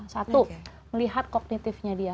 satu melihat kognitifnya dia